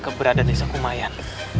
keberadaan desa kumayan